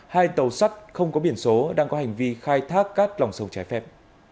hai tàu sắt không có biển số đang có hành vi khai thác các lòng sầu trái phép